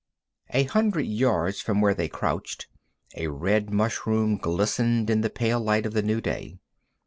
A hundred yards from where they crouched a red mushroom glistened in the pale light of the new day.